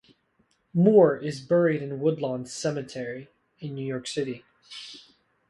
Moore is buried in Woodlawn Cemetery in New York City.